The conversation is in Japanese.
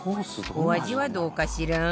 お味はどうかしら？